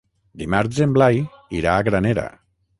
Dimarts en Blai irà a Granera.